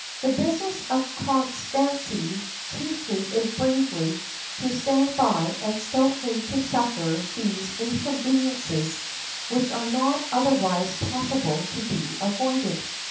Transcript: The business of constancy chiefly is bravely to stand by and stoutly to suffer those inconveniences which are not otherwise possible to be avoided.